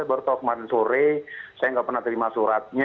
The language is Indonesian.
baru tahu kemarin sore saya nggak pernah terima suratnya